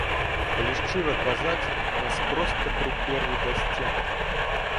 Калі шчыра казаць, нас проста прыперлі да сценкі.